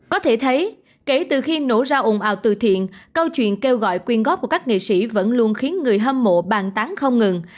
có thể thấy kể từ khi nổ ra ồn ào từ thiện câu chuyện kêu gọi quyên góp của các nghệ sĩ vẫn luôn khiến người hâm mộ bàn tán không ngừng